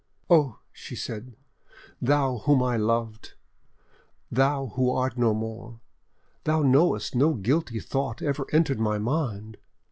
"Oh!" she said, "thou whom I loved, thou who art no more, thou knowest no guilty thought ever entered my mind!